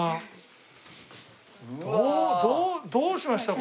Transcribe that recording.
どどうしました？